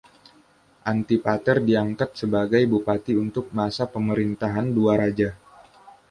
Antipater diangkat sebagai bupati untuk masa pemerintahan dua raja.